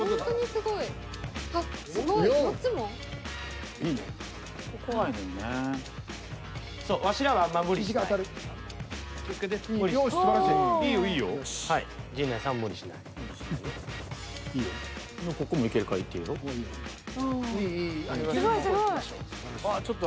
すごいああっ。